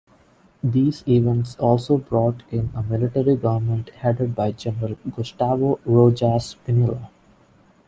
These events also brought in a Military Government headed by General Gustavo Rojas Pinilla.